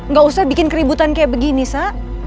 gak usah bikin keributan kayak begini sa